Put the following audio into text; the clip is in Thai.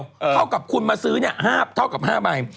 ใบเดียวเข้ากับคุณมาซื้อเนี่ยเท่ากับ๕ใบ